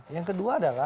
yang kedua adalah